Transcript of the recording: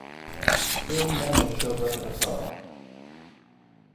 Then Manny shows up in a car.